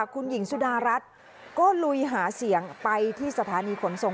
คุณหญิงสุดารัฐก็ลุยหาเสียงไปที่สถานีขนส่ง